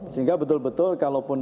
sehingga betul betul kalaupun